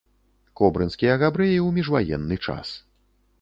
Кобрынскія габрэі ў міжваенны час.